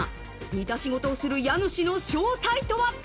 似た仕事をする家主の正体とは？